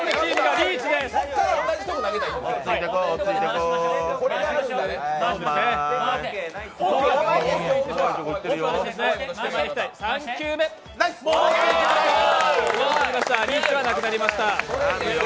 リーチはなくなりました。